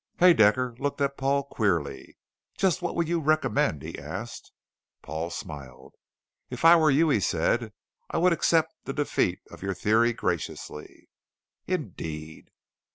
Haedaecker looked at Paul queerly. "Just what would you recommend?" he asked. Paul smiled. "If I were you," he said, "I would accept the defeat of your theory graciously." "Indeed."